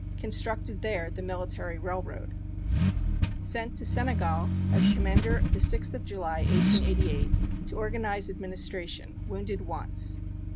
Constructed there the Military Railroad. Sent to Senegal as Commander the 6th of July, 1888, to organize administration. Wounded once.